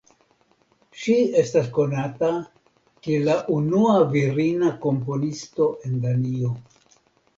Ŝi estas konata kiel la unua virina komponisto en Danio.